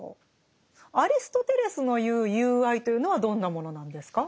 アリストテレスの言う「友愛」というのはどんなものなんですか？